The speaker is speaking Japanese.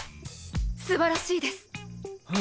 すばらしいですあ